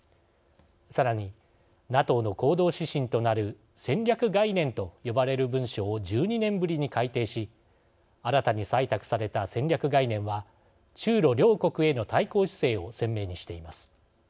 さらに、ＮＡＴＯの行動指針となる戦略概念と呼ばれる文書を１２年ぶりに改訂し新たに採択された戦略概念は中ロ両国への対抗姿勢を鮮明にしています。